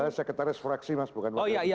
saya sekretaris fraksi mas bukan wakil perjuangan